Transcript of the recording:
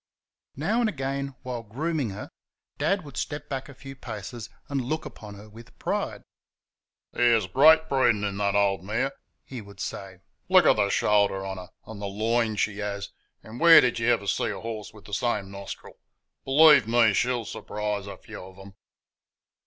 Now and again, while grooming her, Dad would step back a few paces and look upon her with pride. "There's great breeding in the old mare," he would say, "great breeding; look at the shoulder on her, and the loin she has; and where did ever you see a horse with the same nostril? Believe me, she'll surprise a few of them!"